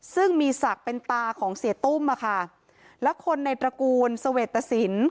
ซึ่งมีสักเป็นตาของเศรษฐ์ตุ้มอ่ะค่ะแล้วคนในตระกูลสเวศสินฯ